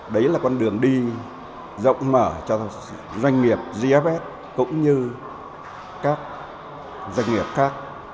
đấy là con đường đi rộng mở cho doanh nghiệp gfs cũng như các doanh nghiệp khác